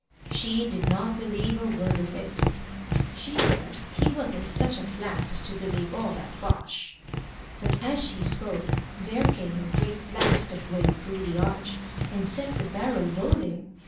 She did not believe a word of it. She said he wasn't such a flat as to believe all that bosh. But as she spoke there came a great blast of wind through the arch, and set the barrel rolling.